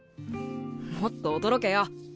もっと驚けよ。